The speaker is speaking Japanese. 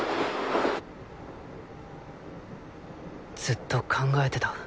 ずっと考えてた。